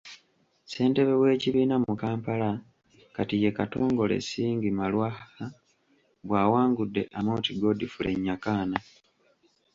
Ssentebe w’ekibiina mu Kampala kati ye Katongole Singh Marwaha bwawangudde Amooti Godfrey Nyakana.